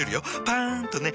パン！とね。